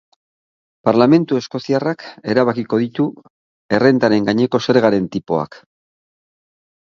Parlamentu eskoziarrak erabakiko ditu errentaren gaineko zergaren tipoak.